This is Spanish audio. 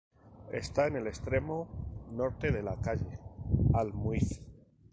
Está en el extremo norte de calle Al-Muizz.